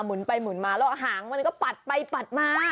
หุ่นไปหมุนมาแล้วหางมันก็ปัดไปปัดมา